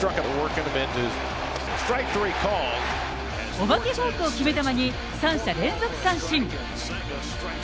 お化けフォークを決め球に、三者連続三振。